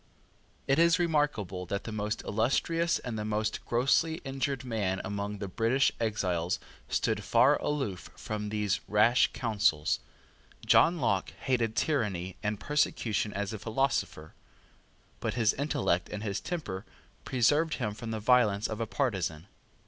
It is remarkable that the most illustrious and the most grossly injured man among the British exiles stood far aloof from these rash counsels. John Locke hated tyranny and persecution as a philosopher; but his intellect and his temper preserved him from the violence of a partisan.